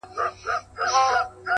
پوهه د نسلونو ترمنځ پل جوړوي،